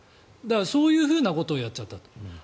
そういうふうなことをやっちゃったと。